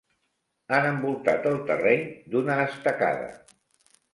Han envoltat el terreny d'una estacada.